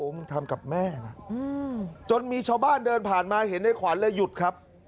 มันทำกับแม่นะจนมีชาวบ้านเดินผ่านมาเห็นในขวัญเลยหยุดครับ